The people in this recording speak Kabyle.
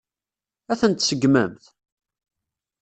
Ad ten-tseggmemt?